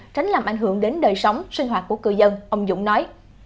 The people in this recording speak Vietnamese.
tránh làm ảnh hưởng đến đời sống sinh hoạt của cư dân ông dũng nói